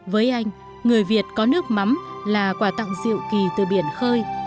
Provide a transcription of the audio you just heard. với anh người việt có nước mắm là quà tặng diệu kỳ từ biển khơi